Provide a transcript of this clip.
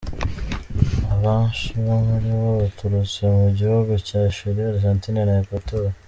Abanshi muri bo baturutse mu bihugu bya Chili, Argentine na Equateur.